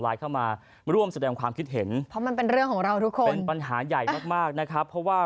เข้ามาร่วมแสดงความคิดเห็นเพราะมันเป็นเรื่องของเราทุกคนเป็นปัญหาใหญ่มากมากนะครับเพราะว่า